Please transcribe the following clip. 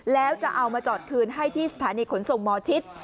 แล้วจะเอามาจอดคืนให้ที่สถานีขนส่งหมอชิด